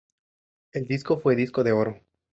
El disco fue disco de oro.